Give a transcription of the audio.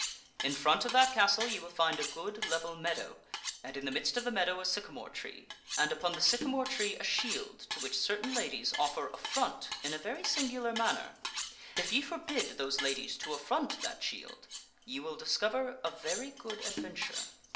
In front of that castle ye will find a knights of a good level meadow, and in the midst of the meadow a syca good adventure. . J more tree, and upon the sycamore tree a shield to which certain ladies offer affront in a very singular manner. If ye forbid those ladies to affront that shield you will discover a very good adventure."